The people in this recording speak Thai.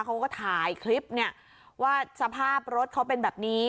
เขาก็ถ่ายคลิปเนี่ยว่าสภาพรถเขาเป็นแบบนี้